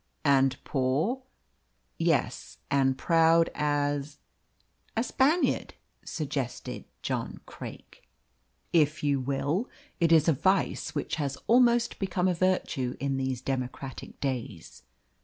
"And poor?" "Yes, and proud as " "A Spaniard," suggested John Craik. "If you will. It is a vice which has almost become a virtue in these democratic days."